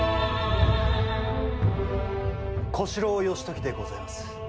小四郎義時でございます。